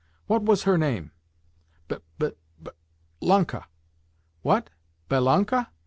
"What was her name? "B b b lanka." "What? Belanka?"